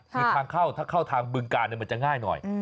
คือทางเข้าถ้าเข้าทางบึงกาลมันจะง่ายหน่อย